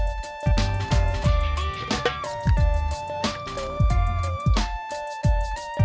nenek ambil sarapan